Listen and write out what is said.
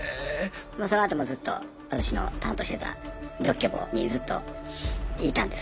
そのあともうずっと私の担当してた独居房にずっといたんですけど。